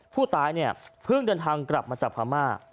ผู้ตายเนี่ยเพิ่งเดินทางกลับมาจากพม่า